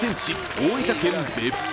大分県別府